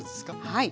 はい。